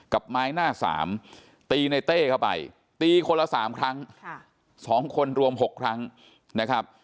กับไม้หน้าสามตีในเต้เข้าไปตีคนละ๓ครั้ง๒คนรวม๖ครั้งนะครับ